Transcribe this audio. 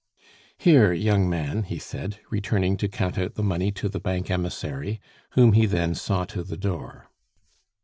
"Here, young man," he said, returning to count out the money to the bank emissary, whom he then saw to the door.